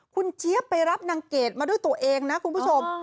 คุณเจี๊ยบไปรับนางเกดมาด้วยตัวเองนะคุณผู้ชม